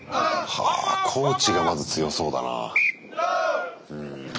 はぁコーチがまず強そうだな。